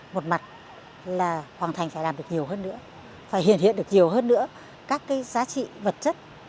một mặt là hoàng thành phải làm được nhiều hơn nữa phải hiện hiện được nhiều hơn nữa các cái giá trị vật chất